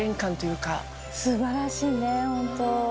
素晴らしいねホント。